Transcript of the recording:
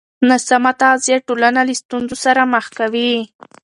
ناسمه تغذیه ټولنه له ستونزو سره مخ کوي.